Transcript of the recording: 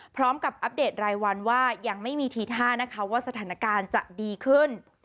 อัปเดตรายวันว่ายังไม่มีทีท่านะคะว่าสถานการณ์จะดีขึ้น